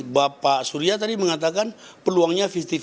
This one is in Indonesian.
bapak surya tadi mengatakan peluangnya lima puluh lima